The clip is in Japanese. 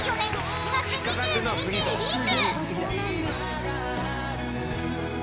［２月２１日リリース］